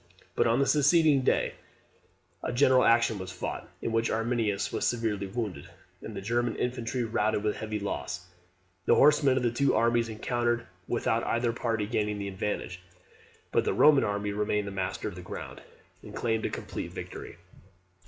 But on the succeeding day a general action was fought, in which Arminius was severely wounded, and the German infantry routed with heavy loss. The horsemen of the two armies encountered without either party gaining the advantage. But the Roman army remained master of the ground, and claimed a complete victory.